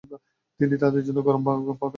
তিনি তাদের জন্য গরম খাবার পাঠালেন।